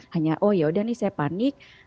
hanya oh yaudah nih saya panik